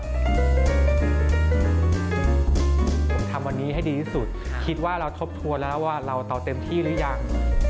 ผมทำวันนี้ให้ดีที่สุดคิดว่าเราทบทวนแล้วว่าเราเต็มที่หรือยัง